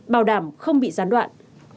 bảo đảm không bị gián đoạn